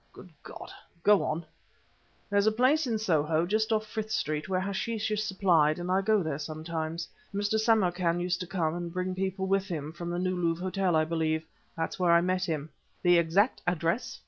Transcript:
"Good God! Go on." "There's a place in Soho, just off Frith Street, where hashish is supplied, and I go there sometimes. Mr. Samarkan used to come, and bring people with him from the New Louvre Hotel, I believe. That's where I met him." "The exact address?"